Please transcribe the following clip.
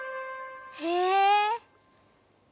へえ。